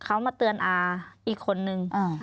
เขามาเตือนอาอีกคนนึง